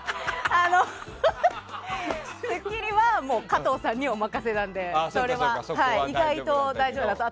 「スッキリ」はもう加藤さんにお任せなんで意外と大丈夫だと。